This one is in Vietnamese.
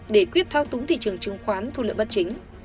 để quyết thao túng thị trường chứng khoán thu lợi bất chính